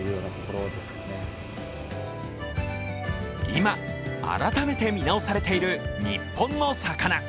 今、改めて見直されている日本の魚。